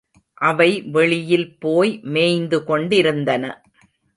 அவை வெளியில் போய் மேய்ந்து கொண்டிருந்தன.